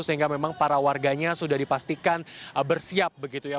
sehingga memang para warganya sudah dipastikan bersiap begitu ya